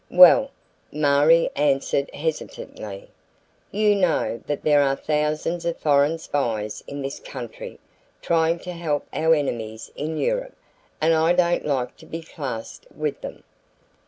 "Well," Marie answered hesitatingly; "you know that there are thousands of foreign spies in this country trying to help our enemies in Europe, and I don't like to be classed with them."